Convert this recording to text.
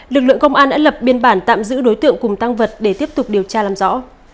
lực lượng công an đã lập biên bản tạm giữ đối tượng cùng tăng vật để tiếp tục điều tra làm rõ